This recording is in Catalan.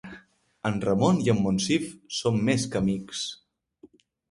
En Ramon i en Monsif són més que amics.